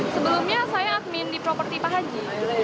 sebelumnya saya admin di properti pak haji